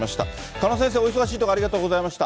鹿野先生、お忙しいところ、ありがとうございました。